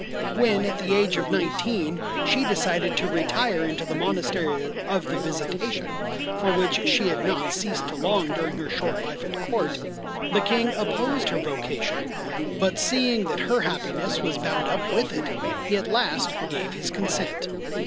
When at the age of nineteen she decided to retire into the Monastery of the Visitation, for which she had not ceased to long during her short life at Court, the King opposed her vocation, but seeing that her happiness was bound up with it he at last gave his consent.